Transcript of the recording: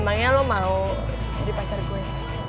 emangnya lo mau jadi pacar gue